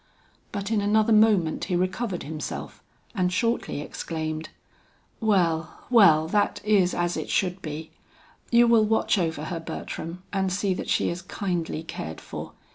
But in another moment he recovered himself and shortly exclaimed, "Well! well! that is as it should be. You will watch over her Bertram, and see that she is kindly cared for.